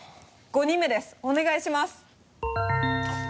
５人目ですお願いします。